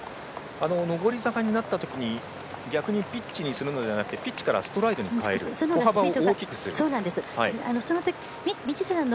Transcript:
上り坂になったときに逆にピッチにするのではなくてピッチからストライドに変える。